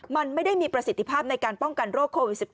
มันไม่ได้มีประสิทธิภาพในการป้องกันโรคโควิด๑๙